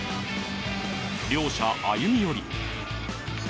両者、歩み寄り。